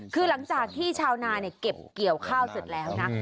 คือหลังจากที่ชาวนาเก็บเกี่ยวข้าวเสร็จแล้วนะ